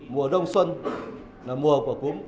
mùa đông xuân là mùa của cúm